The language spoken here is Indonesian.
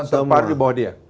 semua di bawah dia